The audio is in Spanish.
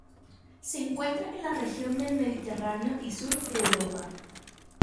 Se encuentra en la región del Mediterráneo y sur de Europa.